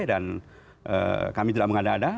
dan kami tidak mengada ada